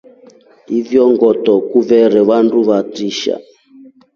Iyo ngoto kuvetre vandu vatrisha.